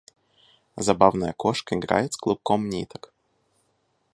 Забавная кошка играет с клубком ниток.